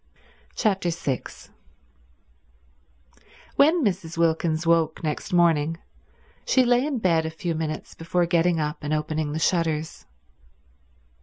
Chapter 6 When Mrs. Wilkins woke next morning she lay in bed a few minutes before getting up and opening the shutters.